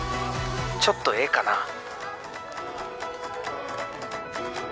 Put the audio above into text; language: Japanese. ちょっとええかな